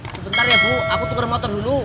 sebentar ya bu aku tuker motor dulu